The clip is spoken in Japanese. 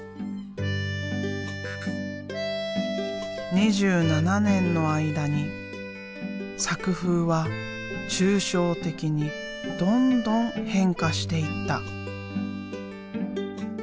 ２７年の間に作風は抽象的にどんどん変化していった。